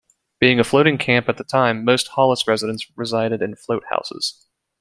Being a floating camp at the time, most Hollis residents resided in float houses.